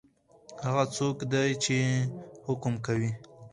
هغه څوک دی چی حکم کوي؟